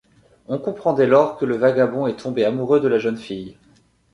On comprend dès lors que le vagabond est tombé amoureux de la jeune fille.